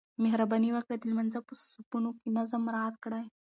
مهرباني وکړئ د لمانځه په صفونو کې نظم مراعات کړئ.